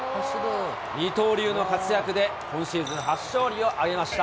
二刀流の活躍で、今シーズン初勝利を挙げました。